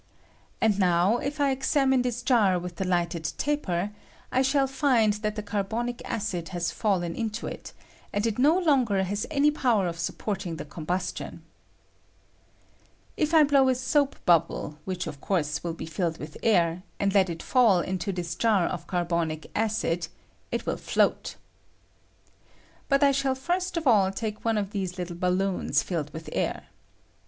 And now, if I examine this jar with the lighted ta per, I shall find that the carbonic acid has fallen I DENSnr OF CAEBONIC ACID. 151 into it, and it no longer has any power of sup porting the combustion. If I blow a soap bub ble, which of course will be filled with air, aud let it fall into this jar of carbonic acid, it will float. But I shall first of all take one of these Httle balloons filled with air.